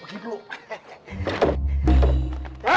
gua pergi dulu